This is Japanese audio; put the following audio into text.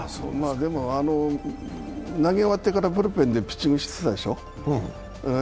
でも投げ終わってからブルペンでピッチングしてたでしょ。